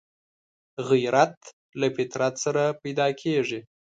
غیرت له فطرت سره پیدا کېږي